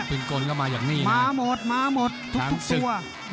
เป็นกลก็มาอย่างนี้มาหมดมาหมดทุกตัว